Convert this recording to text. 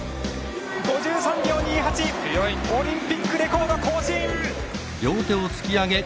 ５３秒２８オリンピックレコード更新！